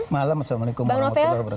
selamat malam assalamualaikum wr wb